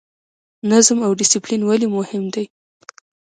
نظم او ډیسپلین ولې مهم دي؟